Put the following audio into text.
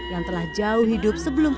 yang telah jauh hidup sebelum